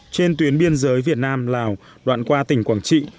trên tuyến biên giới việt nam lào đoạn qua tỉnh quảng trị